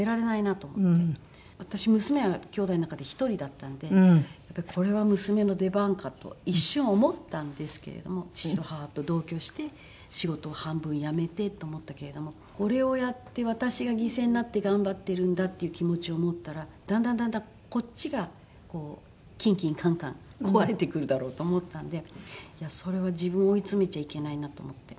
私娘はきょうだいの中で１人だったんでこれは娘の出番かと一瞬思ったんですけれども父と母と同居して仕事を半分辞めてと思ったけれどもこれをやって私が犠牲になって頑張ってるんだっていう気持ちを持ったらだんだんだんだんこっちがこうキンキンカンカン壊れてくるだろうと思ったんでいやそれは自分を追い詰めちゃいけないなと思って。